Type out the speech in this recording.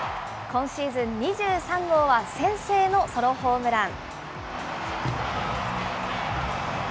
今シーズン２３号は先制のソロホームラン。